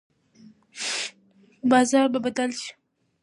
بازار به بدل شي.